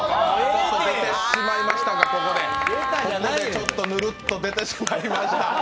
ちょっとぬるっと出てしまいました。